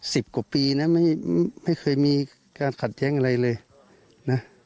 สิบกว่าปีนะไม่ไม่เคยมีการขัดแย้งอะไรเลยนะ